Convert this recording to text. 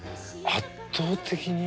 圧倒的に。